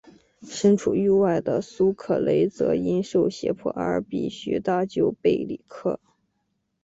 身处狱外的苏克雷则因受胁迫而必须搭救贝里克。